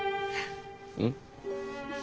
うん。